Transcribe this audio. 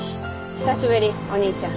久しぶりお兄ちゃん